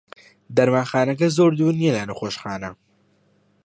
دەرمانخانەکە زۆر دوور نییە لە نەخۆشخانە.